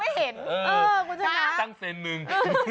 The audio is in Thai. ไม่ใช่ทำไมคุณจะไม่เห็นคุณชนะสู้ตั้งเซนหนึ่ง